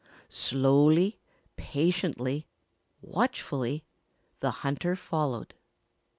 Slowly, patiently, watchfully, the hunter followed.